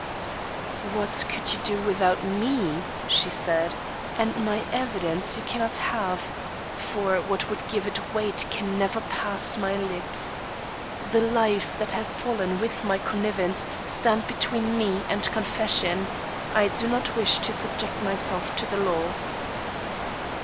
"What could you do without me?" she said; "and my evidence you cannot have. For what would give it weight can never pass my lips. The lives that have fallen with my connivance stand between me and confession. I do not wish to subject myself to the law."